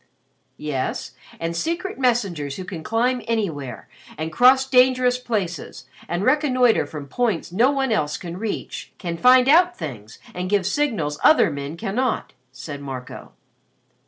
"Yes; and secret messengers who can climb anywhere, and cross dangerous places, and reconnoiter from points no one else can reach, can find out things and give signals other men cannot," said Marco.